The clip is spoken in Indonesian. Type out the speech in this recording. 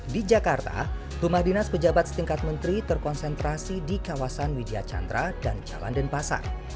di jakarta rumah dinas pejabat setingkat menteri terkonsentrasi di kawasan widya chandra dan jalan denpasar